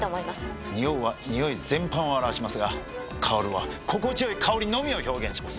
「におう」はにおい全般を表しますが「香る」は心地よい香りのみを表現します。